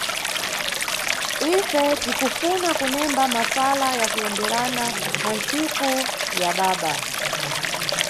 Ife tikufuna kunemba mafala ya kuyenderana na ntsiku ya baba.